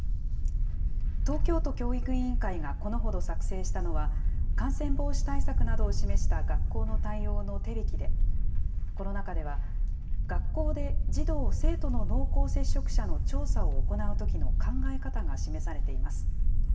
東京都教育委員会がこのほど作成したのは、感染防止対策などを示した学校の対応の手引で、この中では、学校で児童・生徒の濃厚接触者の調査を行うときの考え方が示されています。